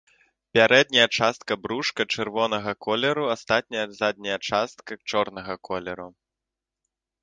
Пярэдняя частка брушка чырвонага колеру, астатняя задняя частка чорнага колеру.